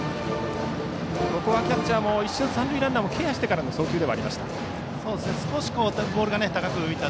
ここはキャッチャーも一瞬、三塁ランナーをケアしてからの送球ではありました。